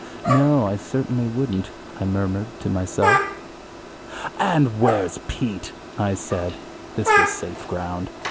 "No, I certainly wouldn't," I murmured to myself. "And where's Pete?" I said. This was safe ground.